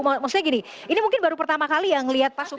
maksudnya gini ini mungkin baru pertama kali yang ngelihat pasukan